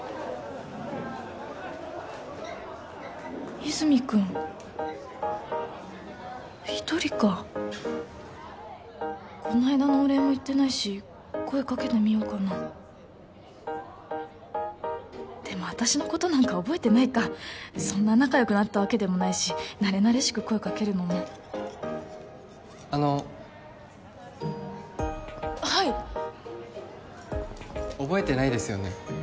和泉君一人かこの間のお礼も言ってないし声かけてみようかなでも私のことなんか覚えてないかそんな仲よくなったわけでもないしなれなれしく声かけるのもあのはい覚えてないですよね？